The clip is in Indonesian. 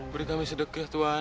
beri kami sedekah tuan